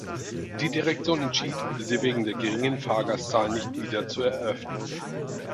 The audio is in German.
Die Direktion entschied, sie wegen der geringen Fahrgastzahlen nicht wieder zu eröffnen.